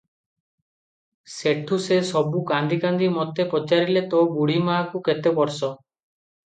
ସେଠୁ ସେ ସବୁ କାନ୍ଦି କାନ୍ଦି ମୋତେ ପଚାରିଲେ ତୋ ବୁଢ଼ୀମାଆକୁ କେତେ ବର୍ଷ?